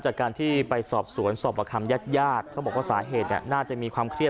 จากการที่ไปสอบสวนสอบประคำญาติญาติเขาบอกว่าสาเหตุน่าจะมีความเครียด